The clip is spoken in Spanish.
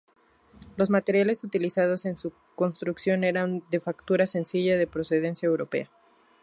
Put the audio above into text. Los materiales utilizados en su construcción, eran de factura sencilla, de procedencia europea.